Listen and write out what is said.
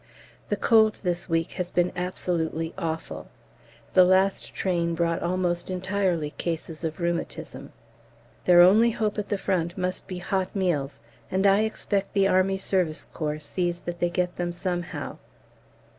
The cold this week has been absolutely awful. The last train brought almost entirely cases of rheumatism. Their only hope at the Front must be hot meals, and I expect the A.S.C. sees that they get them somehow.